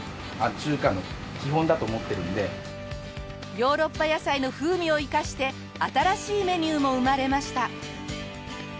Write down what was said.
ヨーロッパ野菜の風味を生かして新しいメニューも生まれました。